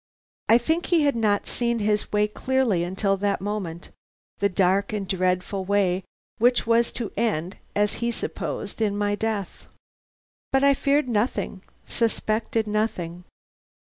I think he had not seen his way clearly till this moment, the dark and dreadful way which was to end, as he supposed, in my death. "But I feared nothing, suspected nothing.